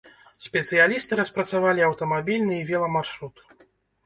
Спецыялісты распрацавалі аўтамабільны і веламаршрут.